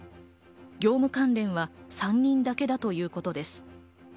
業務関連は３人だけだということです。